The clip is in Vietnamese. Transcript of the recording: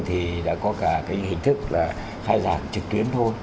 thì đã có cả cái hình thức là khai giảng trực tuyến thôi